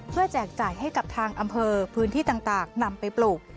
แจกจ่ายให้กับทางอำเภอพื้นที่ต่างนำไปปลูก